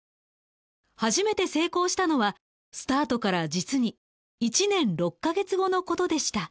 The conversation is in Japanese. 初めて成功したのはスタートから実に１年６カ月後のことでした。